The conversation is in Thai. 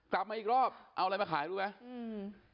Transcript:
กลับมาอีกรอบเอาอะไรมาขายรู้ไหมอืม